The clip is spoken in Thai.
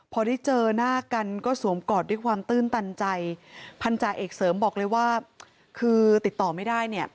พอได้เจอหน้ากันก็สวมกอดด้วยความตื้นตันใจพันธาเอกเสริมบอกเลยว่าคือติดต่อไม่ได้เนี่ย